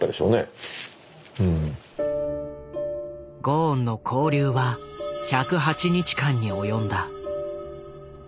ゴーンの勾留は１０８日間に及んだ。